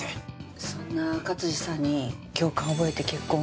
そんな勝治さんに共感を覚えて結婚を？